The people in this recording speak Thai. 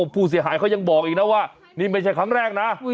ผู้เสียหายเขายังบอกอีกนะว่านี่ไม่ใช่ครั้งแรกนะ